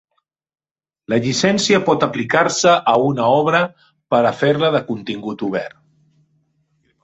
La llicència pot aplicar-se a una obra per a fer-la de contingut obert.